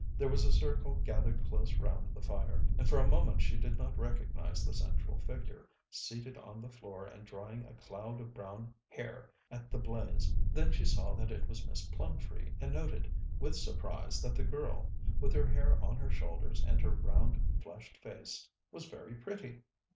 There was a circle gathered close round the fire, and for a moment she did not recognize the central figure, seated on the floor and drying a cloud of brown hair at the blaze. Then she saw that it was Miss Plumtree, and noted with surprise that the girl, with her hair on her shoulders and her round, flushed face, was very pretty.